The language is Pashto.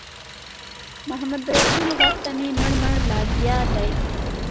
محمدرسول غوږ ته مې مړ مړ لګیا دی.